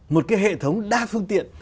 một cái hệ thống đa phương tiện